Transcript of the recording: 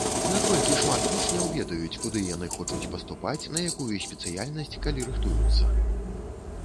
Наколькі шмат вучняў ведаюць, куды яны хочуць паступаць, на якую спецыяльнасць, калі рыхтуюцца?